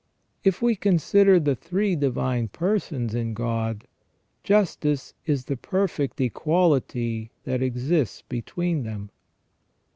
If we consider the Three Divine Persons in God, justice is the perfect equality that exists between them.